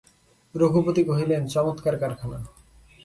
রঘুপতি কহিলেন, চমৎকার কারখানা।